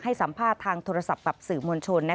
ให้สัมภาษณ์ทางโทรศัพท์กับสื่อมวลชน